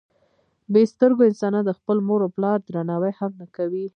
بې سترګو انسانان د خپل مور او پلار درناوی هم نه کوي.